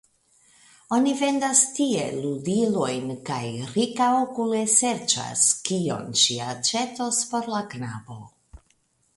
Oni vendas tie ludilojn, kaj Rika okule serĉas, kion ŝi aĉetos por la knabo.